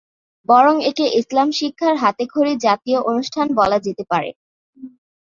বরং একে ইসলাম শিক্ষার হাতেখড়ি জাতীয় অনুষ্ঠান বলা যেতে পারে।